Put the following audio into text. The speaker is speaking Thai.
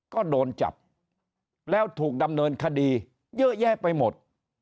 ก็โดนจับแล้วถูกดำเนินคดีเยอะแยะไปหมด